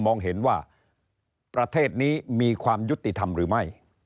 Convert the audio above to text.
มองเห็นว่าประเทศนี้มีความยุติธรรมหรือไม่